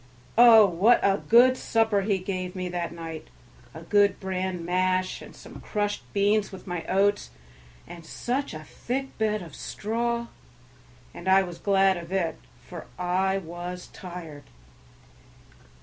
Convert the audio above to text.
Oh, what a good supper he gave me that night, a good bran mash and some crushed beans with my oats, and such a thick bed of straw! and I was glad of it, for I was tired.